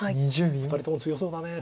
２人とも強そうだね。